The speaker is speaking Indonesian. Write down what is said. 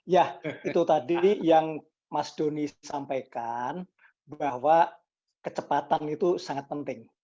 ya itu tadi yang mas doni sampaikan bahwa kecepatan itu sangat penting